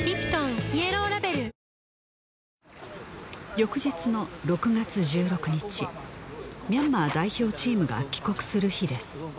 翌日の６月１６日ミャンマー代表チームが帰国する日です